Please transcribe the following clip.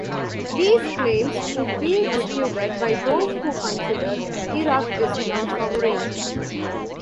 These claims would be disputed by those who consider Iraq is now sovereign.